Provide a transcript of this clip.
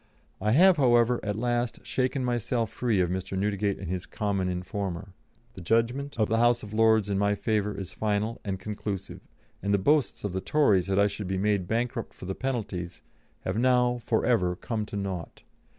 I have, however, at last shaken myself free of Mr. Newdegate and his common informer. The judgment of the House of Lords in my favour is final and conclusive, and the boasts of the Tories that I should be made bankrupt for the penalties, have now, for ever, come to naught.